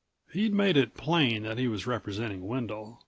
14 He'd made it plain that he was representing Wendel.